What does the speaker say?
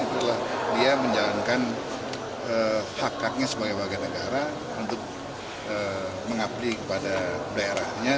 itulah dia menjalankan hak haknya sebagai warga negara untuk mengabdi kepada daerahnya